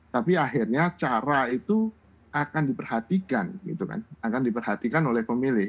tapi akhirnya cara itu akan diperhatikan gitu kan akan diperhatikan oleh pemilih